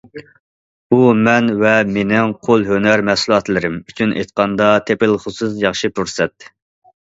بۇ مەن ۋە مېنىڭ قول ھۈنەر مەھسۇلاتلىرىم ئۈچۈن ئېيتقاندا تېپىلغۇسىز ياخشى پۇرسەت.